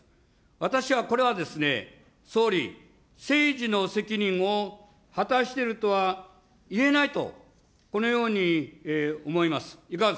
私はこれは総理、政治の責任を果たしているとはいえないと、このように思います。